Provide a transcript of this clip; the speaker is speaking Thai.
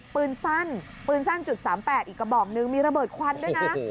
ปืนสั้นปืนสั้น๓๘อีกกระบอกนึงมีระเบิดควันด้วยนะ